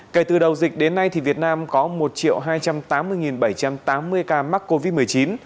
kể từ đầu dịch đến nay việt nam có một hai trăm tám mươi bảy trăm tám mươi ca mắc covid một mươi chín